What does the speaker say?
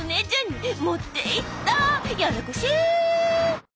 ややこし！